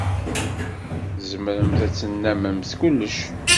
Tzemremt ad tennammemt kullec.